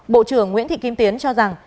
bộ trưởng nguyễn thị kim tiến cho rằng